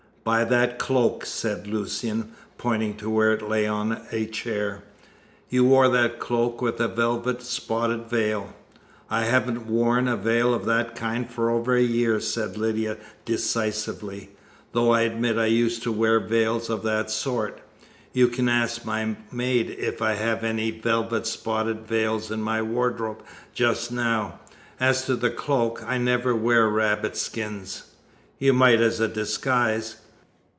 "By that cloak," said Lucian, pointing to where it lay on a chair. "You wore that cloak and a velvet spotted veil." "I haven't worn a veil of that kind for over a year," said Lydia decisively, "though I admit I used to wear veils of that sort. You can ask my maid if I have any velvet spotted veils in my wardrobe just now. As to the cloak I never wear rabbit skins." "You might as a disguise."